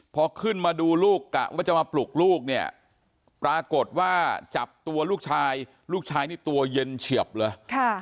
พอขึ้นมาดูลูกกะว่าจะมาปลุกลูกเนี่ยปรากฏว่าจับตัวลูกชายลูกชายนี่ตัวเย็นเฉียบเลย